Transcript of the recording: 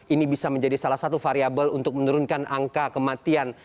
ini bisa menjadi salah satu variable untuk menurunkan angka kematian